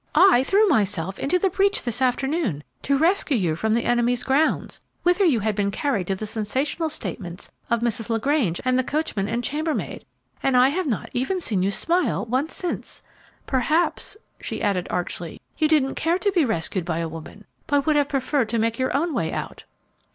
I threw myself into the breach this afternoon to rescue you from the enemy's grounds, whither you had been carried by the sensational statements of Mrs. LaGrange and the coachman and chambermaid, and I have not even seen you smile once since. Perhaps," she added, archly, "you didn't care to be rescued by a woman, but would have preferred to make your own way out."